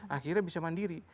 akhirnya bisa mandiri